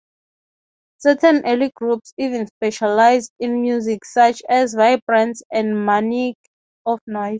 Certain early groups even specialized in music, such as Vibrants and Maniacs of Noise.